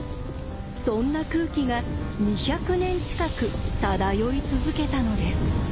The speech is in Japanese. そんな空気が２００年近く漂い続けたのです。